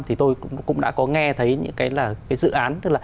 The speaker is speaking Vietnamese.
tôi cũng đã có nghe thấy những dự án